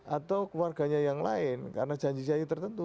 atau keluarganya yang lain karena janji janji tertentu